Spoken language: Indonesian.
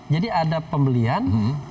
jadi ada pembelian